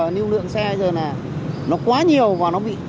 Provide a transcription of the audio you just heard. lưu lượng xe giờ là nó quá nhiều và nó bị